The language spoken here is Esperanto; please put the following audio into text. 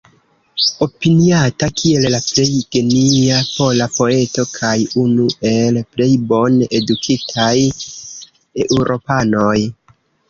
Opiniata kiel la plej genia pola poeto kaj unu el plej bone edukitaj eŭropanoj.